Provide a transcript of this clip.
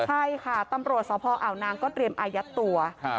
ใช่ค่ะตำรวจสพอ่าวนางก็เตรียมอายัดตัว